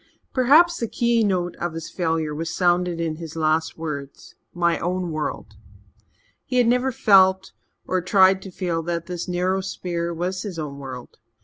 Perhaps the keynote of his failure was sounded in his last words, "my own world." He had never felt, or tried to feel, that this narrow sphere was his own world.